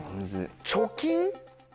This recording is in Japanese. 貯金？